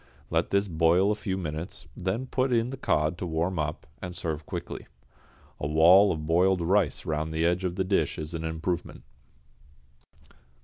Let this boil a few minutes, then put in the cod to warm up, and serve quickly. A wall of boiled rice round the edge of the dish is an improvement.